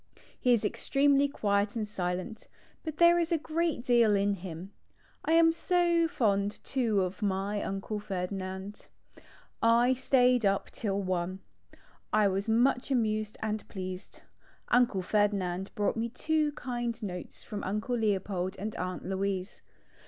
He is ex tremely quiet and silent, but there is a great deal in him. 1 am so fond too of my Uncle Ferdinand. I stayed up till i. I was much amused and pleased. Uncle Ferdinand brought me two kind notes from Uncle Leopold and Aunt Louise.